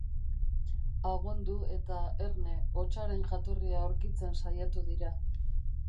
Agondu eta, erne, hotsaren jatorria aurkitzen saiatu dira.